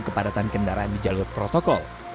kepadatan kendaraan di jalur protokol